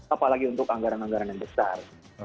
apalagi untuk anggaran anggaran yang besar